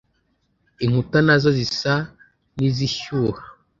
inkuta, nazo, zisa n'izishyuha